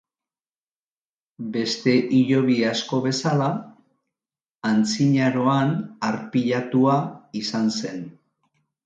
Beste hilobi asko bezala, antzinaroan arpilatua izan zen.